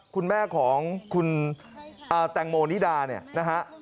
คุณแม่ของคุณแตงโมนิดาเนี่ยนะฮะ